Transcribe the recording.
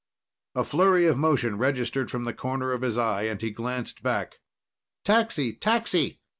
A flurry of motion registered from the corner of his eye, and he glanced back. "Taxi! Taxi!"